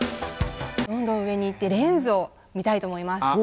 どんどん上に行ってレンズを見たいと思います。